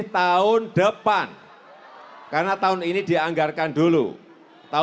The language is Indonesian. tutupan untuk bapak jokowi